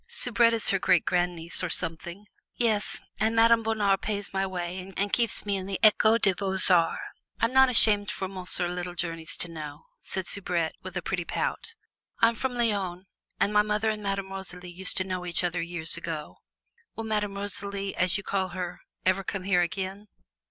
Soubrette is her great grandniece, or something." "Yes, and Madame Bonheur pays my way and keeps me in the Ecole des Beaux Arts. I'm not ashamed for Monsieur Littlejourneys to know!" said Soubrette with a pretty pout; "I'm from Lyons, and my mother and Madame Rosalie used to know each other years ago." "Will Madame Rosalie, as you call her, ever come here again?"